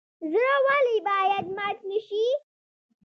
زړه ولې باید مات نشي؟